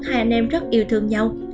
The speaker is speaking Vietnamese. hai anh em rất yêu thương nhau